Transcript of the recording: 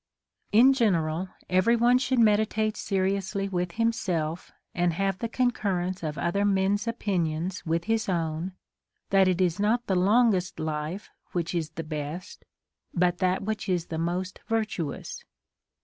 * 17. In general, every one should meditate seriously with himself, and have the concurrence of other men's opinions Avith his OAvn, that it is not the longest life which is the best, but that which is the most virtuous.